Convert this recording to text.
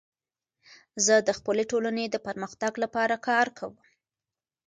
زه د خپلي ټولني د پرمختګ لپاره کار کوم.